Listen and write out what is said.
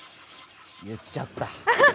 言っちゃった。